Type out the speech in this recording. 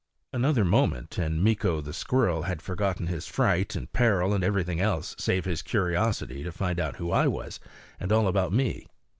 Another moment and Meeko the squirrel had forgotten his fright and peril and everything else save his curiosity to find out who I was and all about me.